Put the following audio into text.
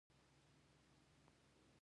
بادام د افغانستان د انرژۍ سکتور برخه ده.